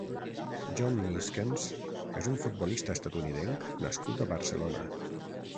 John Neeskens és un futbolista estatunidenc nascut a Barcelona.